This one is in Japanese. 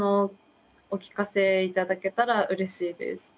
お聞かせ頂けたらうれしいです。